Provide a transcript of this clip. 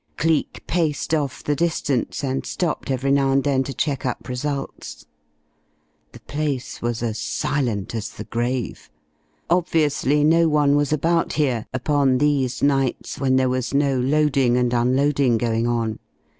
Cleek paced off the distance and stopped every now and then to check up results. The place was as silent as the grave. Obviously no one was about here upon these nights when there was no loading and unloading going on.